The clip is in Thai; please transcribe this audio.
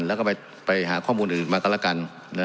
แล้วก็ไปหาข้อมูลอื่นมาก็แล้วกัน